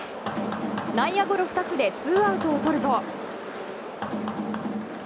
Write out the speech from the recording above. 内野ゴロ２つでツーアウトを取ると。